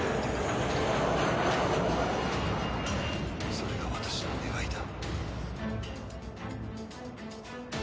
それが私の願いだ。